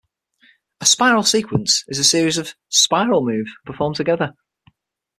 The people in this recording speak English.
A "spiral sequence" is a series of spiral moves performed together.